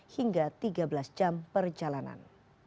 hingga tiga belas jam perjalanan